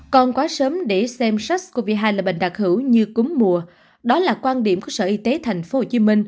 còn quá sớm để xem sars cov hai là bệnh đặc hữu như cúm mùa đó là quan điểm của sở y tế tp hcm